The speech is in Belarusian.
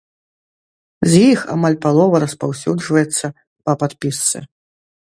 З іх амаль палова распаўсюджваецца па падпісцы.